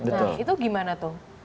nah itu gimana tuh